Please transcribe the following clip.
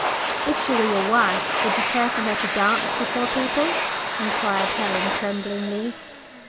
"If she were your wife, would you care for her to dance before people?" inquired Helen tremblingly.